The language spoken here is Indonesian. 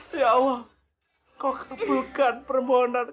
dan bertanggung jawab seperti pak sobari